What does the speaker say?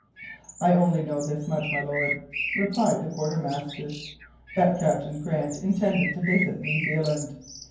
"I only know this much, my Lord," replied the quartermaster, "that Captain Grant intended to visit New Zealand.